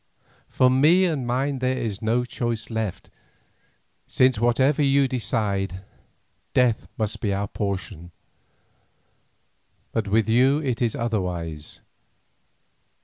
For me and mine there is no choice left, since whatever you decide, death must be our portion. But with you it is otherwise.